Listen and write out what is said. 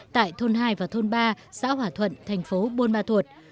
tại thôn hai và thôn ba xã hỏa thuận thành phố buôn ma thuột